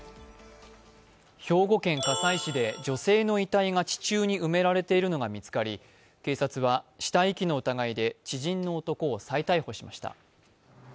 兵庫県加西市で女性の遺体が地中に埋められているのが見つかり警察は死体遺棄の疑いで知人の男を再逮捕しました。